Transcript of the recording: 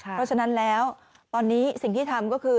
เพราะฉะนั้นแล้วตอนนี้สิ่งที่ทำก็คือ